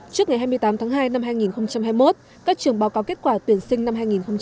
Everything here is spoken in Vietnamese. trước ngày hai mươi tám tháng hai năm hai nghìn hai mươi một các trường báo cáo kết quả tuyển sinh năm hai nghìn hai mươi